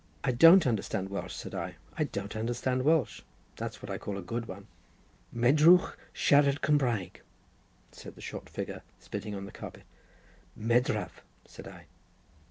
"I don't understand Welsh," said I; "I don't understand Welsh. That's what I call a good one." "Medrwch siarad Cumraeg?" said the short figure, spitting upon the carpet. "Medraf," said I.